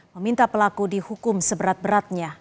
meminta pelaku dihukum seberat beratnya